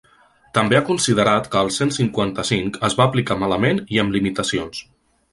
També ha considerat que el cent cinquanta-cinc es va aplicar malament i amb limitacions.